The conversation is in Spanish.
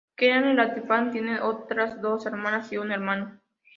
Queen Latifah tiene otras dos hermanas y un hermano.